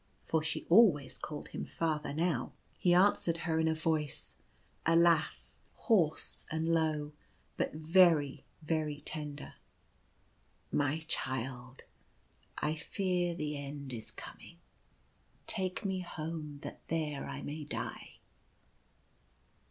for she always called him father now. He answered her in a voice alas ! hoarse and low, but very, very tender : <c My child, I fear the end is coming : take me home, that there I may die."